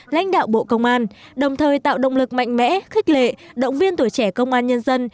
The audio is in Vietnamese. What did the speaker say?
lãnh đạo bộ công an đồng thời tạo động lực mạnh mẽ khích lệ động viên tuổi trẻ công an nhân dân